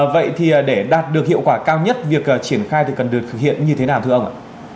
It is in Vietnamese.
vậy thì để đạt được hiệu quả cao nhất việc triển khai thì cần được thực hiện như thế nào thưa ông ạ